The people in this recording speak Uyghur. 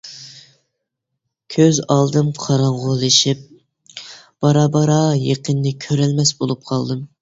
كۆز ئالدىم قاراڭغۇلىشىپ، بارا-بارا يېقىننى كۆرەلمەس بولۇپ قالدىم.